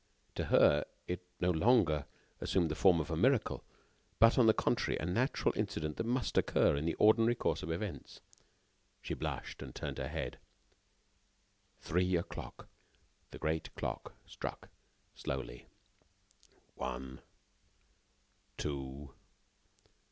To her, it no longer assumed the form of a miracle, but, on the contrary, a natural incident that must occur in the ordinary course of events. She blushed, and turned her head. Three o'clock! The great clock struck slowly: one.... two....